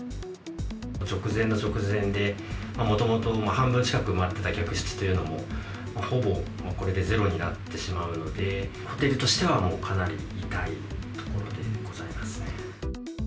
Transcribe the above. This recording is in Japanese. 直前の直前で、もともと半分近く埋まってた客室というのも、ほぼこれでゼロになってしまうので、ホテルとしてはもう、かなり痛いところでございますね。